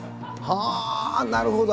はあ、なるほど。